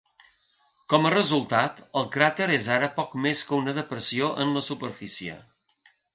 Com a resultat, el cràter és ara poc més que una depressió en la superfície.